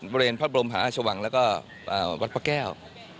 เมืองพระบรมศพหาชวังและก็วัดปะแก้ว